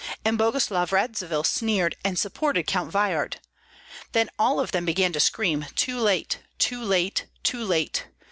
and Boguslav Radzivill sneered and supported Count Veyhard. Then all of them began to scream: "Too late, too late, too late!"